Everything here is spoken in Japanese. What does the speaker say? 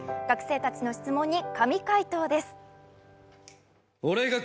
学生たちの質問に神回答です。